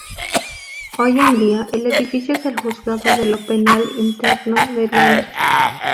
Hoy día, el edificio es el Juzgado de lo Penal Interno de Londres.